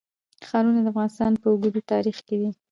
ښارونه د افغانستان په اوږده تاریخ کې دي.